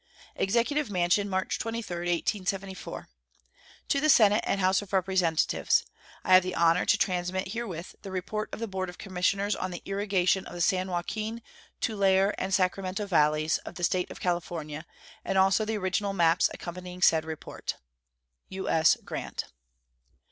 EXECUTIVE MANSION, March 23, 1874. To the Senate and House of Representatives: I have the honor to transmit herewith the report of the board of commissioners on the irrigation of the San Joaquin, Tulare, and Sacramento valleys, of the State of California, and also the original maps accompanying said report. U.S. GRANT.